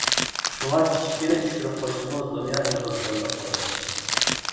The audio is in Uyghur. شۇڭا كىچىككىنە چۈشكۈرۈپ قويسىمۇ دۇنيا ئېغىر زۇكامداپ قالىدۇ.